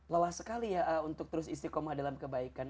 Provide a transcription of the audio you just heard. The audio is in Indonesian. lelah sekali ya untuk terus istiqomah dalam kebaikan